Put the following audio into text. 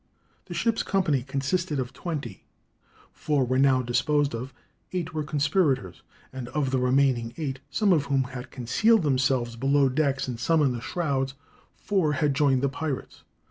The ship's company consisted of twenty: four were now disposed of, eight were conspirators, and of the remaining eight, some of whom had concealed themselves below decks and some in the shrouds, four had joined the pirates.